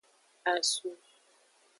Asu.